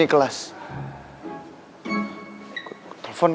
mau aku soepin